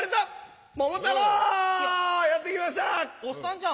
おっさんじゃん。